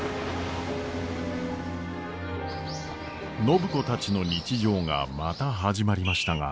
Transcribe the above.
暢子たちの日常がまた始まりましたが。